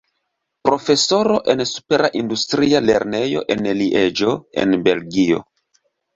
Profesoro en Supera Industria Lernejo en Lieĝo en Belgio.